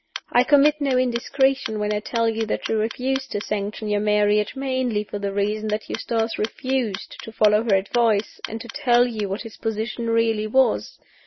I commit no indiscretion when I tell you that she refused to sanction your marriage mainly for the reason that Eustace refused to follow her advice, and to tell you what his position really was.